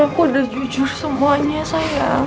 aku udah jujur semuanya sayang